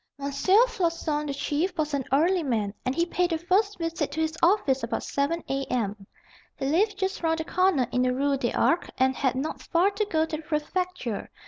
Floçon, the Chief, was an early man, and he paid a first visit to his office about 7 A.M. He lived just round the corner in the Rue des Arcs, and had not far to go to the Prefecture.